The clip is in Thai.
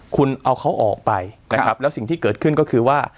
คุณเอาเขาออกไปนะครับแล้วสิ่งที่เกิดขึ้นก็คือว่า